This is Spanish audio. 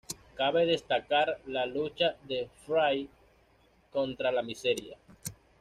Cabe destacar la lucha de "Fray" contra la miseria.